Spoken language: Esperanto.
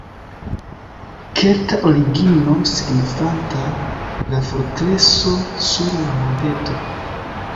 Kelta origino signifanta "la fortreso sur la monteto".